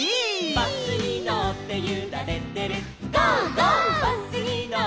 「バスにのってゆられてるゴー！